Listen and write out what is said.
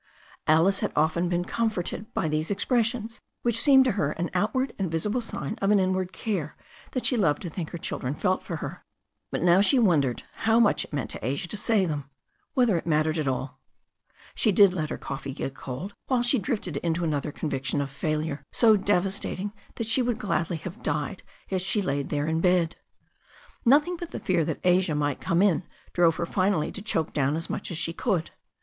Alice had often been comforted by these expressions, which seemed to her the outward and visible sign of an inward care that she loved to think her children felt for her, but now she wondered how much it meant to Asia to say them, whether it mattered at all. She did let her coffee get cold while she drifted into an other conviction of failure so devastating that she would gladly have died as she lay there in bed. Nothing but the fear that Asia might come in drove her finally to choke down as much as she could.